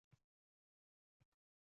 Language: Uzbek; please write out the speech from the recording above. Zor etsa gar, oʻzi zor boʻlgay.